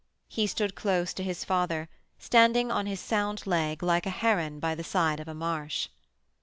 He stood close to his father, standing on his sound leg like a heron by the side of a marsh.